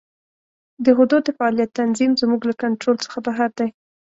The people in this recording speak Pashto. د غدو د فعالیت تنظیم زموږ له کنترول څخه بهر دی.